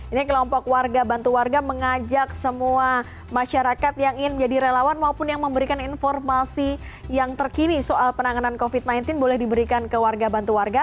ini kelompok warga bantu warga mengajak semua masyarakat yang ingin menjadi relawan maupun yang memberikan informasi yang terkini soal penanganan covid sembilan belas boleh diberikan ke warga bantu warga